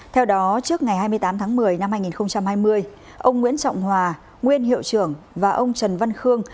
theo đó trước ngày hai mươi tám tháng một mươi năm hai nghìn hai mươi ông nguyễn trọng hòa nguyên hiệu trưởng và ông trần văn khương